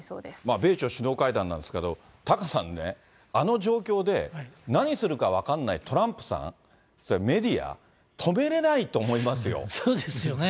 米朝首脳会談なんですけど、タカさんね、あの状況で、何するか分かんないトランプさん、メディア、止めれないと思いますそうですよね。